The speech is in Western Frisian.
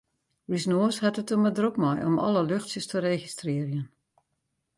Us noas hat it der mar drok mei om alle luchtsjes te registrearjen.